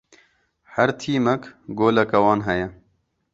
Her tîmek goleka wan heye.